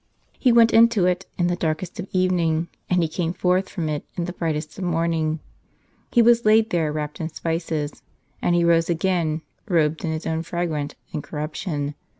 He went into it in the darkest of evening, and He came forth from it in the brightest of morning ; He was laid there wrapped in spices, and he rose again robed in His own fragrant incorruption.